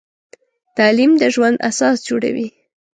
تعلیم د ژوند اساس جوړوي.